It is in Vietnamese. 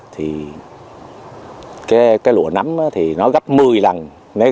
thì cái lụa nấm thì nó gấp một mươi lần